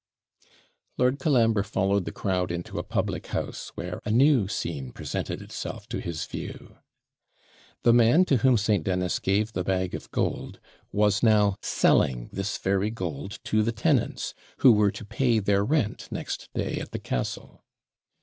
Lord Colambre followed the crowd into a public house, where a new scene presented itself to his view. The man to whom St. Dennis gave the bag of gold was now selling this very gold to the tenants, who were to pay their rent next day at the castle.